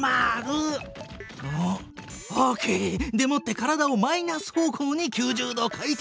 オッオッケー！でもって体をマイナス方向に９０度回転！